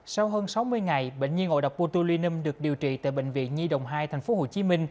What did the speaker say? sau hơn sáu mươi ngày bệnh nhiên ổ đập botulinum được điều trị tại bệnh viện nhi đồng hai tp hcm